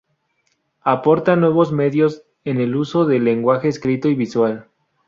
aporta nuevos medios en el uso del lenguaje escrito y visual